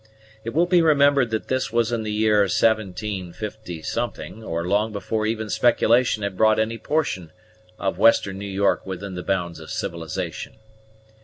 It will be remembered that this was in the year 175 , or long before even speculation had brought any portion of western New York within the bounds of civilization.